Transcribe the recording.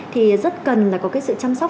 thì rất cần là có cái sự chăm sóc